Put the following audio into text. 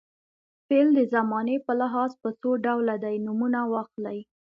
فعل د زمانې په لحاظ په څو ډوله دی نومونه واخلئ.